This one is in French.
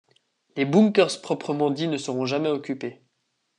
Les bunkers proprement dits ne seront jamais occupés.